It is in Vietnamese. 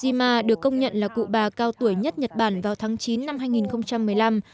jima được công nhận là cụ bà cao tuổi nhất nhật bản vào tháng chín năm hai nghìn một mươi năm